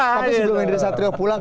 tapi sebelum hendry satrio pulang